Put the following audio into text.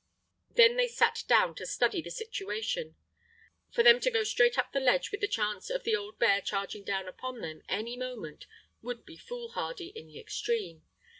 Then they sat down to study the situation. For them to go straight up the ledge with the chance of the old bear charging down upon them any moment would be foolhardy in the extreme.